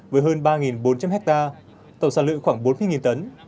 với hơn ba bốn trăm linh hectare tổng sản lượng khoảng bốn mươi tấn